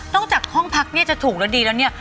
นอกจากห้องพักจะถูกแล้วดีแล้วเนี่ย